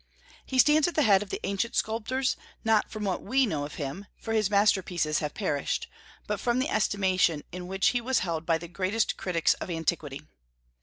He stands at the head of the ancient sculptors, not from what we know of him, for his masterpieces have perished, but from the estimation in which he was held by the greatest critics of antiquity.